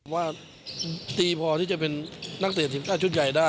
ว่าดีพอจะเป็นนักศึกษณะชุดใหญ่ได้